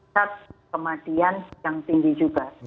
saat kematian yang tinggi juga